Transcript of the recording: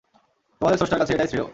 তোমাদের স্রষ্টার কাছে এটাই শ্রেয়।